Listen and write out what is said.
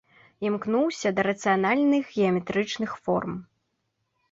Імкнуўся да рацыянальных, геаметрычных форм.